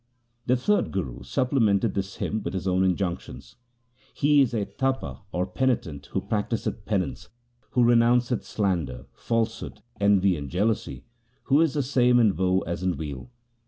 1 The third Guru supplemented this hymn with his own injunctions :' He is a Tapa or penitent who practiseth penance, who renounceth slander, false hood, envy and jealousy, who is the same in woe as in weal.